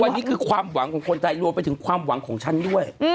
วันนี้คือความหวังของคนไทยรวมไปถึงความหวังของฉันด้วย